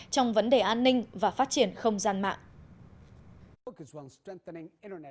trong vấn đề an ninh và phát triển không gian mạng